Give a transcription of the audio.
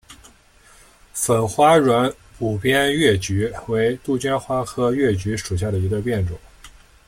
粉花软骨边越桔为杜鹃花科越桔属下的一个变种。